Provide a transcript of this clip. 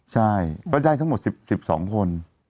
ใช่ก็ได้ทั้งหมด๑๒คน